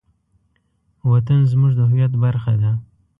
وطن زموږ د هویت برخه ده.